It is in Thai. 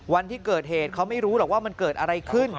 วันที่เกิดเหตุเขาไม่รู้หรอกว่ามันเกิดอะไรขึ้น